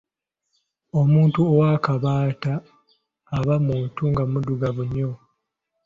Omuntu ow'akabaata aba muntu nga muddugavu nnyo.